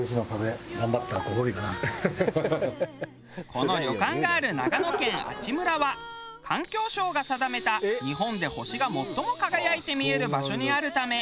この旅館がある長野県阿智村は環境省が定めた日本で星が最も輝いて見える場所にあるため。